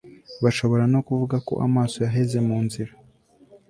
bashobora no kuvuga ko amaso yaheze mu nzira